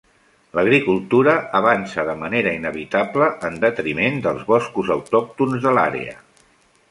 L'agricultura avança de manera inevitable en detriment dels boscos autòctons de l'àrea.